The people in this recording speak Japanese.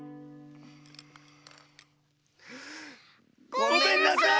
ごめんなさい！